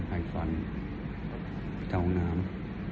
อายกว่าผิดท้องน้ำ